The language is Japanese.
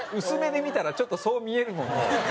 薄目で見たらちょっとそう見えるもん。